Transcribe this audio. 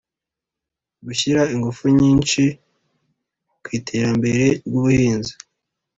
gushyira ingufu nyinshi ku iterambere ry'ubuhinzi